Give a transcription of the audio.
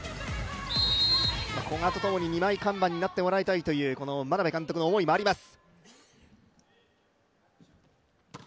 古賀とともに、二枚看板になってもらいたいという眞鍋監督の思いがあります。